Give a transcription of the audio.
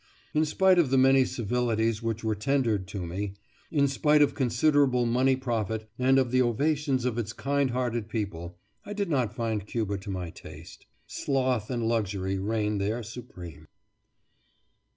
In spite of the many civilities which were tendered to me, in spite of considerable money profit, and of the ovations of its kind hearted people, I did not find Cuba to my taste. Sloth and luxury reign there supreme.